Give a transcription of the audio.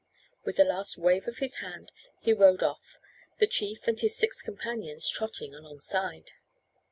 With a last wave of his hand he rode off, the chief and his six companions trotting alongside.